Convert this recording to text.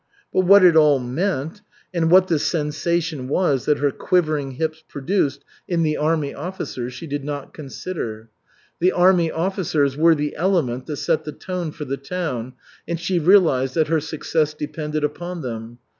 But what it all meant, and what the sensation was that her quivering hips produced in the army officers, she did not consider. The army officers were the element that set the tone for the town, and she realized that her success depended upon them.